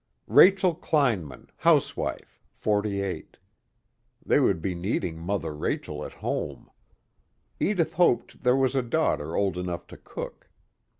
Rachel Kleinman, housewife, forty eight. They would be needing Mother Rachel at home; Edith hoped there was a daughter old enough to cook.